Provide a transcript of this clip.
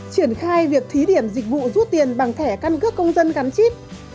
triển khai việc thí điểm dịch vụ rút tiền bằng thẻ căn cước công dân gắn chip